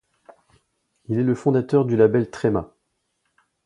Il est le fondateur du label Tréma.